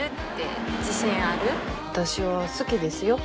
私は好きですよ。